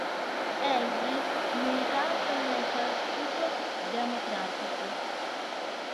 Egli militava nel Partito Democratico.